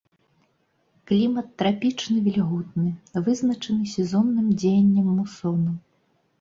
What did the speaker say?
Клімат трапічны вільготны, вызначаны сезонным дзеяннем мусонаў.